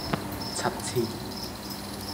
七千